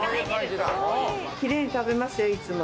キレイに食べますよ、いつも。